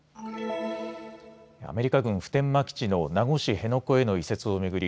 アメリカ軍普天間基地の名護市辺野古への移設を巡り